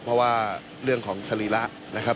เพราะว่าเรื่องของสรีระนะครับ